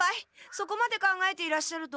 そこまで考えていらっしゃるとは。